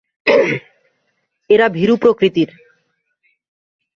এরা ভীরু প্রকৃতির।